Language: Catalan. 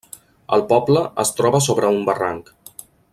El poble es troba sobre un barranc.